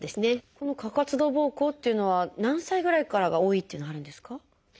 この過活動ぼうこうというのは何歳ぐらいからが多いっていうのはあるんですか？